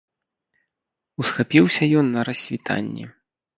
Усхапіўся ён на рассвітанні.